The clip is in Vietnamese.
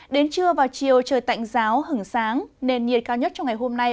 đến trưa vào chiều trời tạnh giáo hứng sáng nền nhiệt cao nhất trong ngày hôm nay